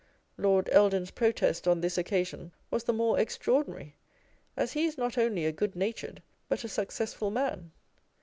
Lord Eldon's protest on this occasion was the more extra ordinary, as he is not only a goodnatured but a success ful man.